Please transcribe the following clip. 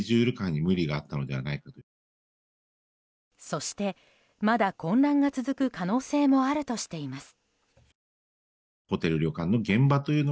そして、まだ混乱が続く可能性もあるとしています。